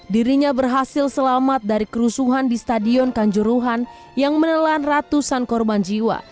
dirinya berhasil selamat dari kerusuhan di stadion kanjuruhan yang menelan ratusan korban jiwa